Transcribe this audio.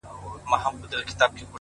له دغي لويي وچي وځم؛